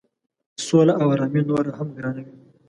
سوله او آرامي نوره هم ګرانوي.